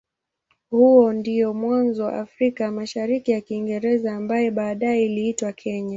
Huo ndio mwanzo wa Afrika ya Mashariki ya Kiingereza ambaye baadaye iliitwa Kenya.